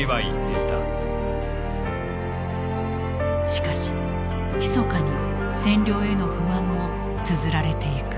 しかしひそかに占領への不満もつづられていく。